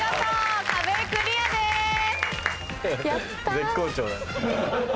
絶好調だ。